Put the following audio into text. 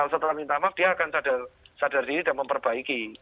setelah minta maaf dia akan sadar diri dan memperbaiki